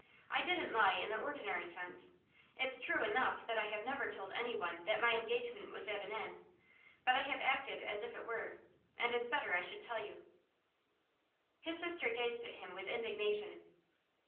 I didn't lie in the ordinary sense; it's true enough that I have never told anyone that my engagement was at an end. But I have acted as if it were, and it's better I should tell you.' His sister gazed at him with indignation.